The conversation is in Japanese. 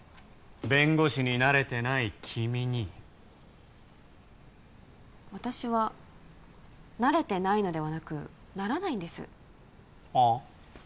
弁護士になれてない君に私はなれてないのではなくならないんですはあ？